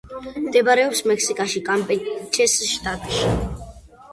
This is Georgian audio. მდებარეობს მექსიკაში, კამპეჩეს შტატში.